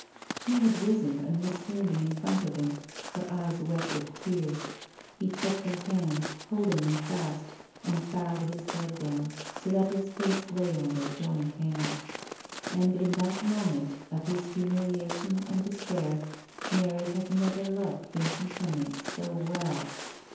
She had risen and was standing in front of him, her eyes wet with tears. He took her hands, holding them fast, and bowed his head down, so that his face lay on their joined hands. And in that moment of his humil iation and despair Mary had never loved Vincent Hemming so well.